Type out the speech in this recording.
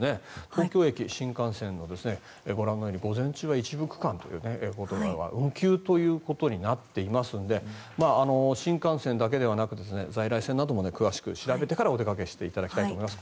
東京駅、新幹線がご覧のように午前中は一部区間が運休ということになっていますので新幹線だけではなく在来線も詳しく調べてからお出かけしていただきたいと思います。